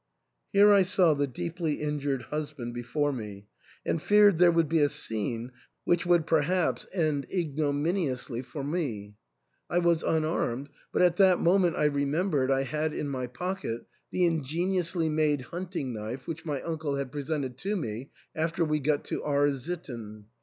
'* Here I saw the deeply injured husband before me, and feared there would be a scene which would perhaps end ignomini 264 ^^^ ENTAIL. ously for me. I was unarmed ; but at that moment I remembered I had in my pocket the ingeniously made hunting knife which my uncle had presented to me after we got to R — sitten.